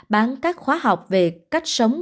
bán các khóa học về cách sống